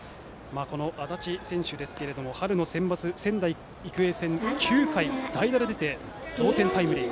この安達選手ですが春のセンバツ、仙台育英戦では９回に代打で出て同点タイムリー。